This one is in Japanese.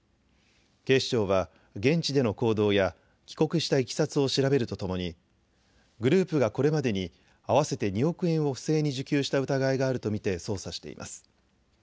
警視庁は現地での行動や帰国したいきさつを調べるとともに、グループがこれまでに合わせて２億円を不正に受給した疑いがあると見て捜査しています。